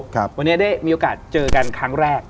วันนี้ได้มีโอกาสเจอกันครั้งแรก